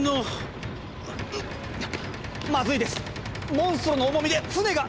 モンストロの重みで船が！